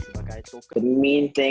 hal utama yang berbeda adalah